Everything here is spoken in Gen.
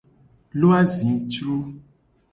Lo azicro.